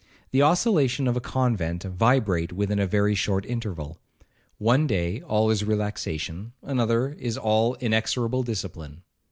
The oscillations of a convent vibrate within a very short interval. One day all is relaxation, another all is inexorable discipline.